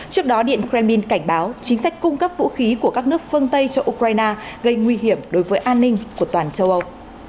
trước đó điện kremlin cảnh báo chính sách cung cấp vũ khí của các nước phương tây cho ukraine gây nguy hiểm đối với an ninh của toàn châu âu